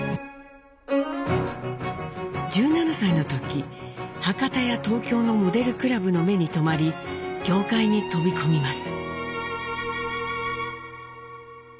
１７歳の時博多や東京のモデルクラブの目に留まり業界に飛び込みます。